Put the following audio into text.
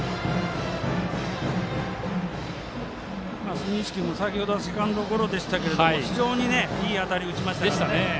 住石君、先ほどはセカンドゴロでしたが非常に、いい当たり打ちましたからね。